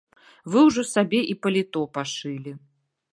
Вы ўжо сабе і паліто пашылі.